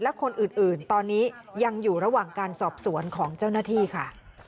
และคนอื่นตอนนี้ยังอยู่ระหว่างการสอบสวนของเจ้าหน้าที่ค่ะ